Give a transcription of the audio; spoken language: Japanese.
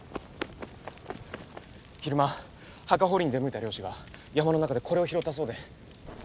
昼間墓堀りに出向いた漁師が山の中でこれを拾ったそうで。